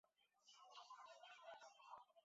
是象牙贝目丽象牙贝科丽象牙贝属的一种。